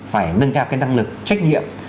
phải nâng cao cái năng lực trách nhiệm